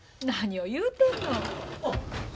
何を言うてんの。